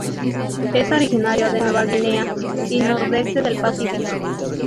Es originario de Nueva Guinea y nordeste del Pacífico.